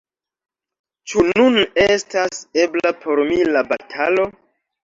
Ĉu nun estas ebla por mi la batalo?